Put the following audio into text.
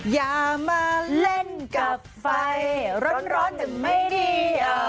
อย่ามาเล่นกับไฟร้อนถึงไม่ดี